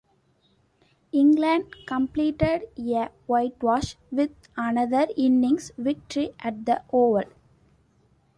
England completed a whitewash with another innings victory at The Oval.